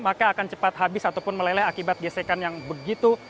maka akan cepat habis ataupun meleleh akibat gesekan yang begitu